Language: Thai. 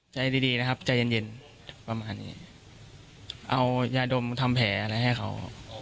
ใจดีดีนะครับใจเย็นเย็นประมาณนี้เอายาดมทำแผลอะไรให้เขา